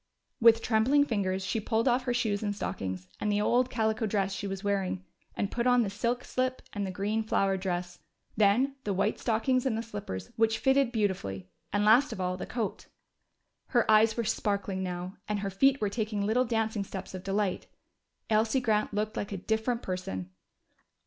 With trembling fingers she pulled off her shoes and stockings, and the old calico dress she was wearing, and put on the silk slip and the green flowered dress. Then the white stockings and the slippers, which fitted beautifully. And last of all, the coat. Her eyes were sparkling now, and her feet were taking little dancing steps of delight. Elsie Grant looked like a different person!